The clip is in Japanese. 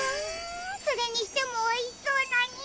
それにしてもおいしそうなにおい！